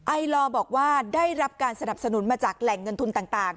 ไอลอบอกว่าได้รับการสนับสนุนมาจากแหล่งเงินทุนต่าง